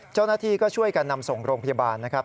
เจ้าหน้าที่ก็ช่วยกันนำส่งโรงพยาบาลนะครับ